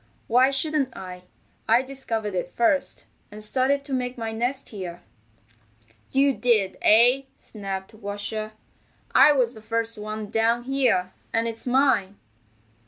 Why shouldn't I? I discovered it first, and started to make my nest here." "You did, eh?" snapped Washer. "I was the first one down here, and it's mine."